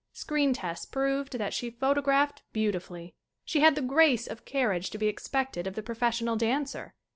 Screen tests proved that she photographed beautifully. She had the grace of carriage to be expected of the professional dancer.